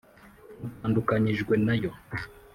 Mutandukanyijwe na yo